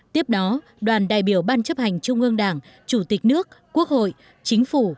tiếp đó đoàn đại biểu ban chấp hành trung ương đảng chủ tịch nước quốc hội chính phủ